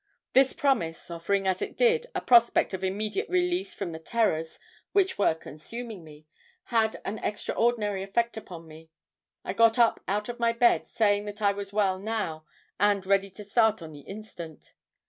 This promise, offering as it did, a prospect of immediate release from the terrors which were consuming me, had an extraordinary effect upon me. I got up out of my bed saying that I was well now and ready to start on the instant.